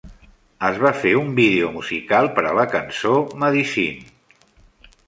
Es va fer un vídeo musical per a la cançó "Medicine".